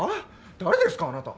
誰ですかあなた。